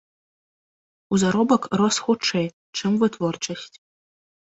У заробак рос хутчэй, чым вытворчасць.